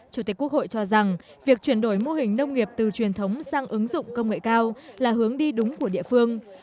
chủ tịch quốc hội cho rằng việc chuyển đổi mô hình nông nghiệp từ truyền thống sang ứng dụng công nghệ cao là hướng đi đúng của địa phương